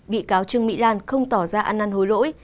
bị cáo trương mỹ lan không tỏ ra ăn năn hối lỗi